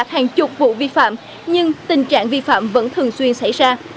hàng chục vụ vi phạm nhưng tình trạng vi phạm vẫn thường xuyên xảy ra